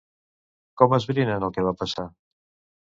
Com esbrinen el que va passar?